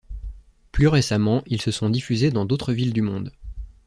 Plus récemment, ils se sont diffusés dans d'autres villes du monde.